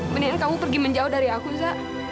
mendingan kamu pergi menjauh dari aku za